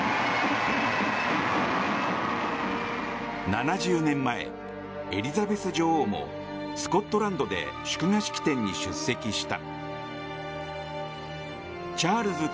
７０年前、エリザベス女王もスコットランドで祝賀式典に出席した。